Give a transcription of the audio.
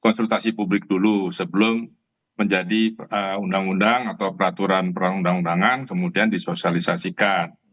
konsultasi publik dulu sebelum menjadi undang undang atau peraturan perundang undangan kemudian disosialisasikan